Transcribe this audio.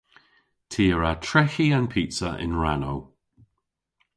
Ty a wra treghi an pizza yn rannow.